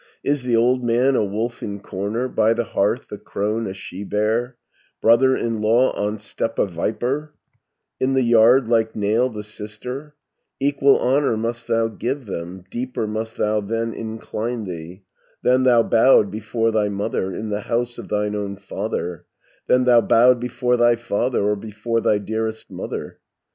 90 "Is the old man a wolf in corner, By the hearth the crone a she bear, Brother in law on step a viper, In the yard like nail the sister, Equal honour must thou give them, Deeper must thou then incline thee, Than thou bowed before thy mother, In the house of thine own father, Than thou bowed before thy father, Or before thy dearest mother.